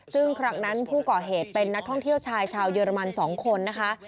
ซึ่งครั้งนั้นผู้ก่อเหตุเป็นนักท่องเที่ยวชายชาวเยอรมัน๒คนนะคะ